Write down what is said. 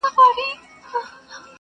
سړی راوستی عسکرو و قاضي ته.